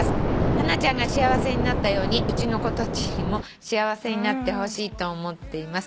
「ハナちゃんが幸せになったようにうちの子たちにも幸せになってほしいと思っています」